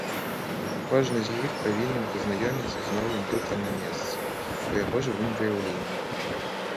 Кожны з іх павінен пазнаёміцца з новым бытам на месцы, у яго жывым выяўленні.